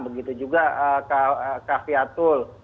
begitu juga kak fiatul